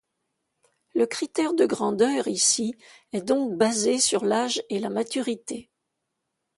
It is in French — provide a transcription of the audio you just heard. Le critère de grandeur ici est donc basé sur l'âge et la maturité.